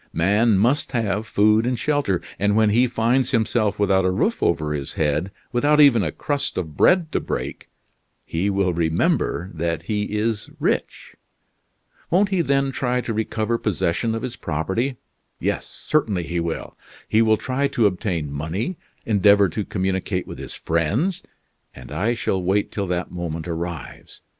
Man must have food and shelter, and when he finds himself without a roof over his head, without even a crust of bread to break, he will remember that he is rich. Won't he then try to recover possession of his property? Yes, certainly he will. He will try to obtain money, endeavor to communicate with his friends, and I shall wait till that moment arrives.